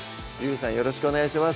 よろしくお願いします